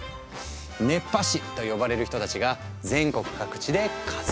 「熱波師」と呼ばれる人たちが全国各地で活躍中。